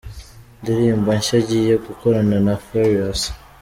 ndirimbo nshya agiye gukorana na Farious.